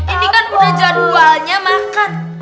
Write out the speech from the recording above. ini kan udah jadwalnya makan